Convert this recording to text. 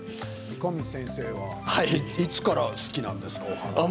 三上先生はいつから園芸が好きなんですか？